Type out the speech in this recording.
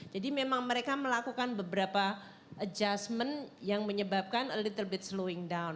jadi memang mereka melakukan beberapa adjustment yang menyebabkan a little bit slowing down